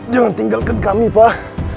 jangan tinggalkan kami pak